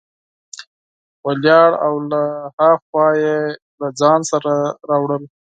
ولاړ او له ها خوا یې له ځان سره راوړل.